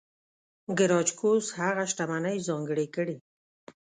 ګراکچوس هغه شتمنۍ ځانګړې کړې.